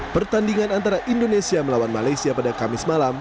pertandingan antara indonesia melawan malaysia pada kamis malam